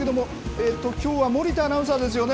えっと、きょうは森田アナウンサーですよね？